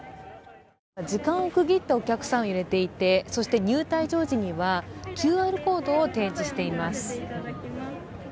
時間を区切ってお客さんを入れていて、そして入・退場時にはＱＲコードを提示しています。